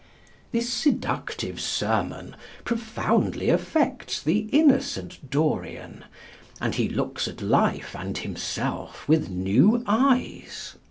This seductive sermon profoundly affects the innocent Dorian, and he looks at life and himself with new eyes.